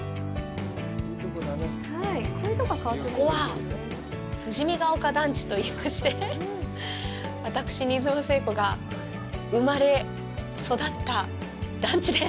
ここは富士美ヶ丘団地といいまして私、新妻聖子が生まれ育った団地です。